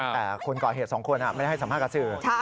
แต่คนก่อเหตุ๒คนไม่ได้ให้สัมภาษณ์กับสื่อ